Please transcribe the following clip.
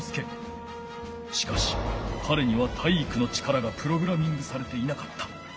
しかしかれには体育の力がプログラミングされていなかった。